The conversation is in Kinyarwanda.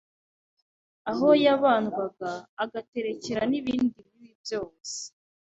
aho yabandwaga agaterekera nibindi bibi byose